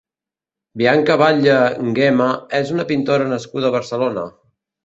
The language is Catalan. Bianca Batlle Nguema és una pintora nascuda a Barcelona.